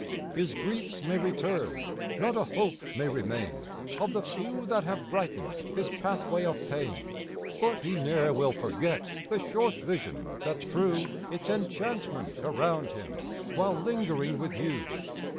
5 His griefs may return, not a hope may remain Of the few that have brighten 'd his pathway of pain, But he ne'er will forget the short vision that threw Its enchantment around him, while lingering with you.